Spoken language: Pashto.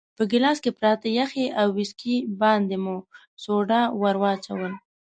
په ګیلاس کې پراته یخي او ویسکي باندې مې سوډا ورو وراچول.